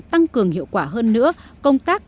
tăng cường hiệu quả hơn nữa công tác